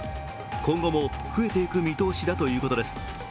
今後も増えていく見通しだということです。